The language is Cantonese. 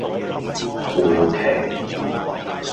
負皮